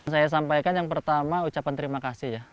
saya sampaikan yang pertama ucapan terima kasih ya